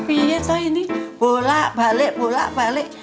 iya ini bolak balik bolak balik